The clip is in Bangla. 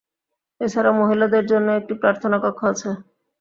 এছাড়া মহিলাদের জন্যও একটি প্রার্থনা কক্ষ আছে।